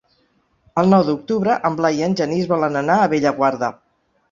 El nou d'octubre en Blai i en Genís volen anar a Bellaguarda.